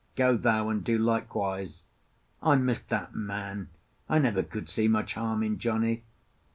Go thou and do likewise.' I missed that man. I never could see much harm in Johnny."